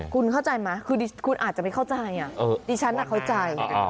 คุณเข้าใจไหมคือคุณอาจจะไม่เข้าใจดิฉันเข้าใจ